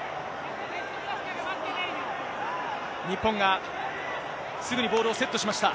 日本が、すぐにボールをセットしました。